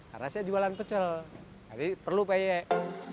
karena saya jualan pecel jadi perlu peyek